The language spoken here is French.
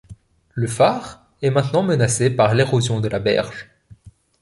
Le phare est maintenant menacé par l'érosion de la berge.